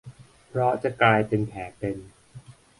เพราะจะกลายเป็นแผลเป็น